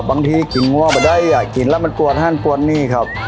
บางทีกลิ่นง่วงไม่ได้อ่ะกลิ่นแล้วมันปวดห้านปวดนี่ครับ